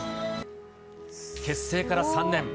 結成から３年。